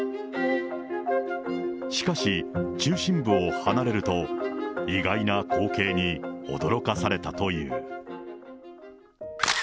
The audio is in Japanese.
しかし、中心部を離れると意外な光景に驚かされたという。